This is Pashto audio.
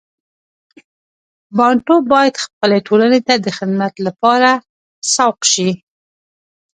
بانټو باید خپلې ټولنې ته د خدمت لپاره سوق شي.